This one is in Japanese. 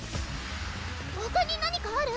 ほかに何かある？